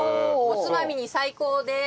おつまみに最高です。